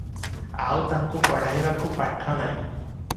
ଆଉ ତାଙ୍କୁ ପଢ଼ାଇବାକୁ ପାଠ ନାହିଁ ।"